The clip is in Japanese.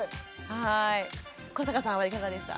古坂さんはいかがでした？